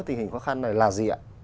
tình hình khó khăn này là gì ạ